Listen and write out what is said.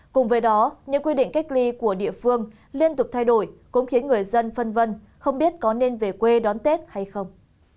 cùng với đó những quy định cách ly của địa phương liên tục thay đổi cũng khiến người dân phân vân không biết có nên về quê đón tết hay không